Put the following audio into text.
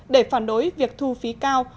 để phản đối việc thu phí cao